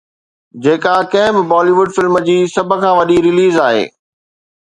جيڪا ڪنهن به بالي ووڊ فلم جي سڀ کان وڏي رليز آهي